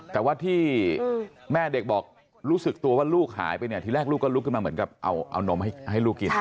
แต่ว่าที่แม่เด็กบอกรู้สึกตัวว่าลูกหายไปเนี่ยทีแรกลูกก็ลุกขึ้นมาเหมือนกับเอานมให้ลูกกิน